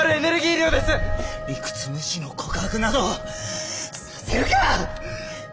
理屈無視の告白などさせるか！